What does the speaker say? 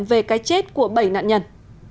về cái chết của bảy nạn nhân